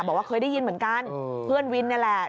บอกว่าเคยได้ยินเหมือนกันเพื่อนวินนี่แหละ